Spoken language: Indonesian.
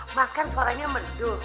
mas kan suaranya merdu